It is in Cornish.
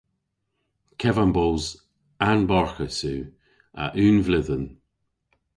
Kevambos anbarghus yw a unn vledhen.